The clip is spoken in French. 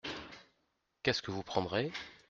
Qu’est-ce que vous prendrez ?